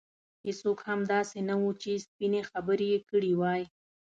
هېڅوک هم داسې نه وو چې سپینې خبرې یې کړې وای.